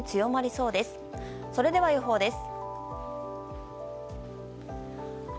それでは、予報です。